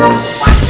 ya allah ustadz